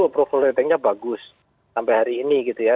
kepala politiknya bagus sampai hari ini gitu ya